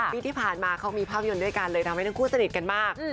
ปีที่ผ่านมาเขามีภาพยนตร์ด้วยกันเลยทำให้ทั้งคู่สนิทกันมาก